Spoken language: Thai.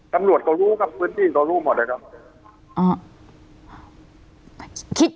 ตำรวจก็รู้ครับพื้นที่เขารู้หมดนะครับ